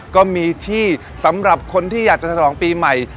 ก็มีที่สำหรับคนที่อยากจะฉลองปีใหม่